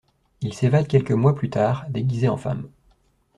Il s'évade quelques mois plus tard déguisé en femme.